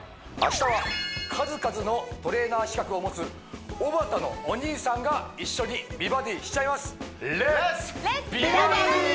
明日は数々のトレーナー資格を持つおばたのお兄さんが一緒に美バディしちゃいますレッツ！